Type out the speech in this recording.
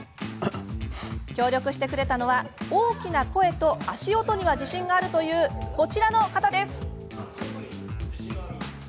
協力してくれたのは大きな声と足音には自信があるという、こちらの方。